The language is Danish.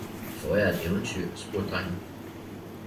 Får jeg et eventyr? spurgte drengen.